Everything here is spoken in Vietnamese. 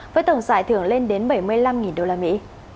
với tổng giải thưởng lên đến bảy mươi năm đô la mỹ